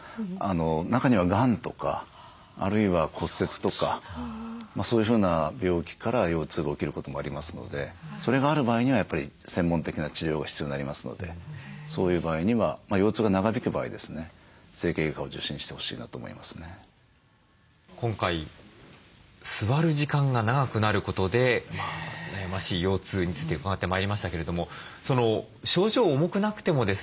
中にはがんとかあるいは骨折とかそういうふうな病気から腰痛が起きることもありますのでそれがある場合にはやっぱり専門的な治療が必要になりますので今回座る時間が長くなることで悩ましい腰痛について伺ってまいりましたけれども症状重くなくてもですね